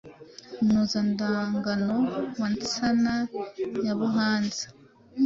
Munozandagano wa Nsana ya Buhanza,